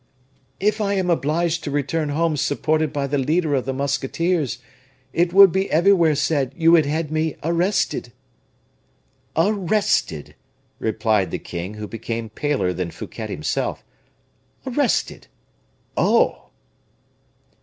"If I am obliged to return home supported by the leader of the musketeers, it would be everywhere said you had had me arrested." "Arrested!" replied the king, who became paler than Fouquet himself, "arrested! oh!"